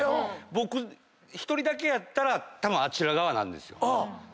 僕１人だけやったらたぶんあちら側なんですよ。